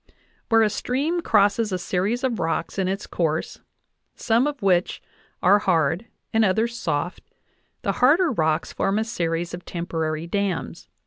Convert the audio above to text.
Where a "stream crosses a series of rocks in its course, some of which are hard and others soft, the harder rocks form a series of temporary dams